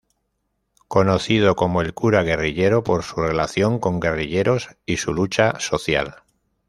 Conocido como el "cura-guerrillero" por su relación con guerrilleros y su lucha social.